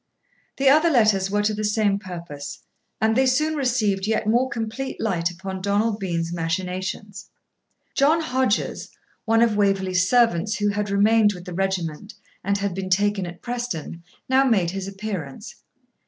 The other letters were to the same purpose; and they soon received yet more complete light upon Donald Bean's machinations. John Hodges, one of Waverley's servants, who had remained with the regiment and had been taken at Preston, now made his appearance.